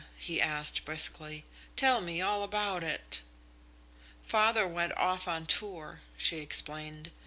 he asked briskly. "Tell me all about it." "Father went off on tour," she explained.